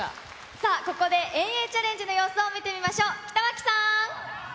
さあ、ここで遠泳チャレンジの様子を見てみましょう。